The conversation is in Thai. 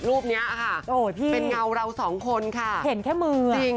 รูปนี้ค่ะเป็นเงาเราสองคนค่ะเห็นแค่มือจริง